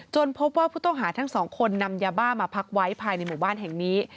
พบว่าผู้ต้องหาทั้งสองคนนำยาบ้ามาพักไว้ภายในหมู่บ้านแห่งนี้